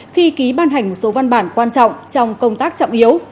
khi ký ban hành một số văn bản quan trọng trong công tác trọng yếu